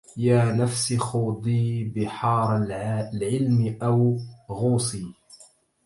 يا نفس خوضي بحار العلم أو غوصي